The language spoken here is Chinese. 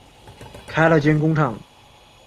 开了间工厂